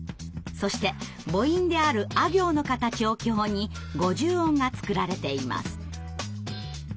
そして母音である「あ行」の形を基本に５０音が作られています。